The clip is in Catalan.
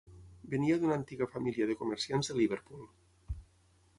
Venia d'una antiga família de comerciants de Liverpool.